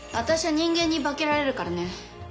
人間に化けられるからね。